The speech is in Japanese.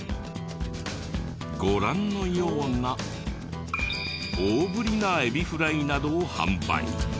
ご覧のような大ぶりなエビフライなどを販売。